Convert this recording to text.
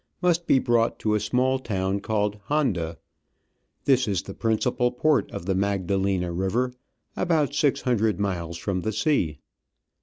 must be brought to a small town called Honda ; this is the principal port of the Magdalena river, about six hundred miles from the sea.